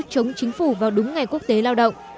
chống chính phủ vào đúng ngày quốc tế lao động